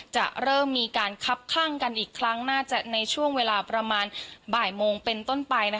จะเริ่มมีการคับข้างกันอีกครั้งน่าจะในช่วงเวลาประมาณบ่ายโมงเป็นต้นไป